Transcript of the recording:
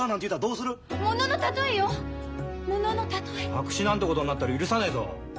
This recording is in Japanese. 白紙なんてことになったら許さねえぞ！